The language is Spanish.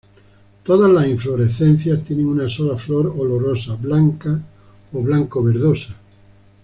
Todas las inflorescencias tienen una sola flor olorosa, blanca ó blanco-verdosa.